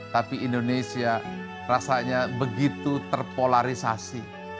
tapi indonesia rasanya begitu terpolarisasi